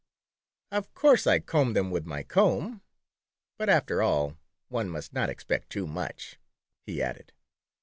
"Of course I comb them with my comb. But after all, one must not expect too much," he added.